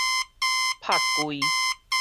拍膭